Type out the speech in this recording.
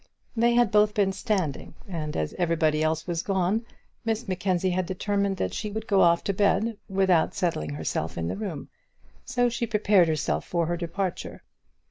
They had both been standing; and as everybody else was gone Miss Mackenzie had determined that she would go off to bed without settling herself in the room. So she prepared herself for her departure.